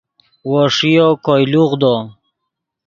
وو ݰیو کوئے لوغدو